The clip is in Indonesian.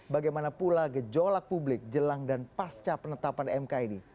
bagaimana pula gejolak publik jelang dan pasca penetapan mkid